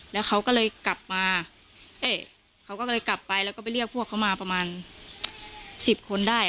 แล้วเขาก็เลยกลับไปแล้วก็ไปเรียกพวกเขามาประมาณ๑๐คนได้